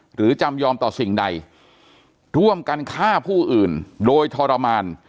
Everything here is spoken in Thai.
จำยอมต่อสิ่งใดร่วมกันฆ่าผู้อื่นโดยทรมาน